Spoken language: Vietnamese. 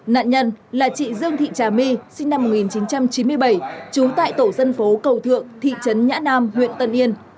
nạn nhân là chị dương thị trà my sinh năm một nghìn chín trăm chín mươi bảy trú tại tổ dân phố cầu thượng thị trấn nhã nam huyện tân yên